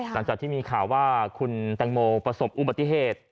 หลังจากที่มีข่าวว่าคุณแตงโมประสบอุบัติเหตุ